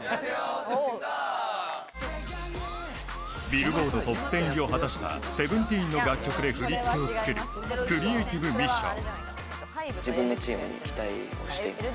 ビルボードトップ１０入りを果たしたＳＥＶＥＮＴＥＥＮの楽曲で振り付けをつける、クリエイティブミッション。